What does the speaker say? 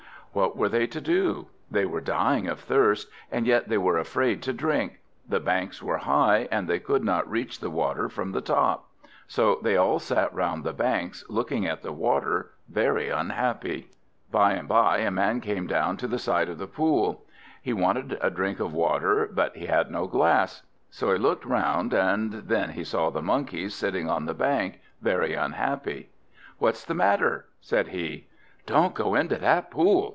What were they to do? They were dying of thirst, and yet they were afraid to drink; the banks were high, and they could not reach the water from the top. So they all sat round the banks, looking at the water, very unhappy. By and by a man came down to the side of the pool. He wanted a drink of water, but he had no glass. So he looked round, and then he saw the Monkeys sitting on the bank, very unhappy. "What's the matter?" said he. "Don't go into that pool!"